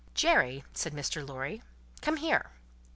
"Jerry," said Mr. Lorry. "Come here."